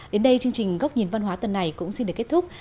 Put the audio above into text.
đến đây chương trình góc nhìn văn hóa tuần này cũng xin được kết thúc